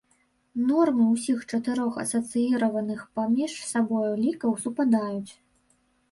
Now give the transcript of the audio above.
Нормы ўсіх чатырох асацыіраваных паміж сабою лікаў супадаюць.